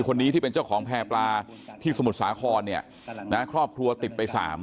คนนี้ที่เป็นเจ้าของแพร่ปลาที่สมุทรสาครเนี่ยนะครอบครัวติดไป๓